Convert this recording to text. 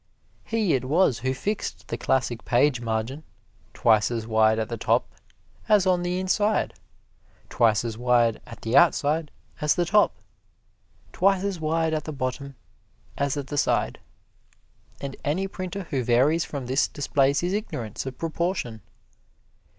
He it was who fixed the classic page margin twice as wide at the top as on the inside; twice as wide at the outside as the top; twice as wide at the bottom as at the side. And any printer who varies from this displays his ignorance of proportion.